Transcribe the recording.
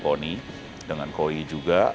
kony dengan koi juga